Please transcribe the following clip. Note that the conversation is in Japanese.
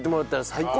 最高！